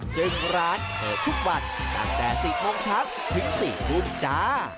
ซึ่งร้านเข้าทุกวันตั้งแต่สิกน้องชักถึงสิกบุญจ๊ะ